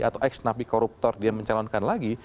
atau ex nafi koruptor yang mencalonkan lagi